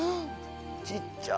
ちっちゃ。